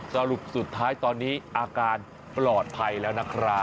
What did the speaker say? สรุปสุดท้ายตอนนี้อาการปลอดภัยแล้วนะครับ